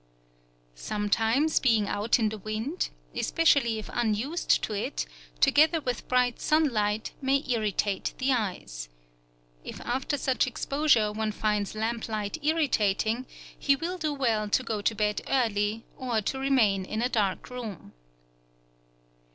Sometimes being out in the wind (especially if unused to it), together with bright sunlight, may irritate the eyes. If after such exposure one finds lamplight irritating, he will do well to go to bed early, or to remain in a dark room.